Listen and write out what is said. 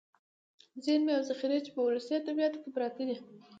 ذېرمې او ذخيرې چې په ولسي ادبياتو کې پراتې دي.